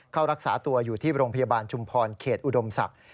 เข้ารักษาตัวอยู่ที่โรงพยาบาลชุมพรเขตอุดมศักดิ์